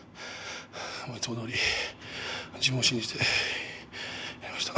いつもどおり自分を信じてやりました。